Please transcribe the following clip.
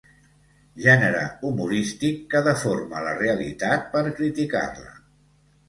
Gènere humorístic que deforma la realitat per criticar-la.